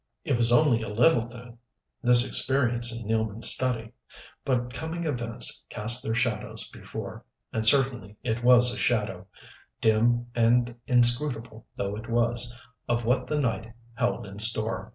It was only a little thing this experience in Nealman's study. But coming events cast their shadows before and certainly it was a shadow, dim and inscrutable though it was, of what the night held in store.